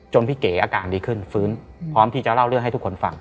พี่เก๋อาการดีขึ้นฟื้นพร้อมที่จะเล่าเรื่องให้ทุกคนฟัง